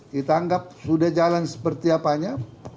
kita anggap sudah jalan seperti apanya